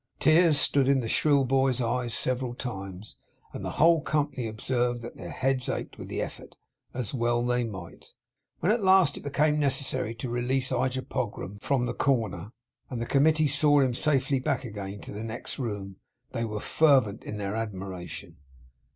Tears stood in the shrill boy's eyes several times; and the whole company observed that their heads ached with the effort as well they might. When it at last became necessary to release Elijah Pogram from the corner, and the Committee saw him safely back again to the next room, they were fervent in their admiration.